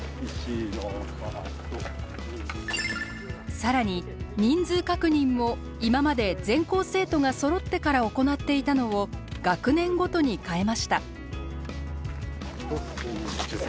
更に人数確認も今まで全校生徒がそろってから行っていたのを学年ごとに変えました。